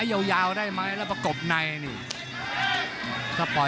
โหโหโหโหโหโหโหโหโหโหโห